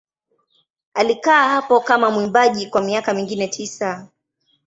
Alikaa hapo kama mwimbaji kwa miaka mingine tisa.